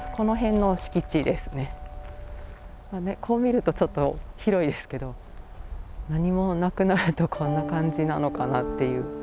こう見るとちょっと広いですけど何もなくなるとこんな感じなのかなっていう。